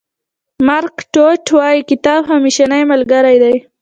مارک ټواین وایي کتاب همېشنۍ ملګری دی.